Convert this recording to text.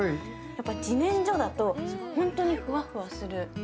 やっぱりじねんじょだと本当にふわふわする。